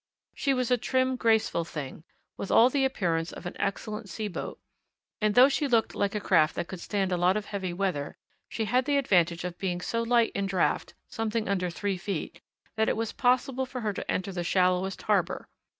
She was a trim, graceful thing, with all the appearance of an excellent sea boat, and though she looked like a craft that could stand a lot of heavy weather, she had the advantage of being so light in draught something under three feet that it was possible for her to enter the shallowest harbour.